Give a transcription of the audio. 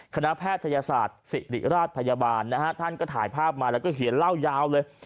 แพทยศาสตร์ศิริราชพยาบาลนะฮะท่านก็ถ่ายภาพมาแล้วก็เขียนเล่ายาวเลย